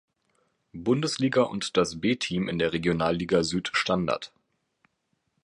Bundesliga und das B-Team in der Regionalliga Süd Standard.